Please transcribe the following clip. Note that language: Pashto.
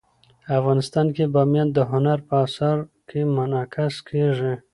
افغانستان کې بامیان د هنر په اثار کې منعکس کېږي.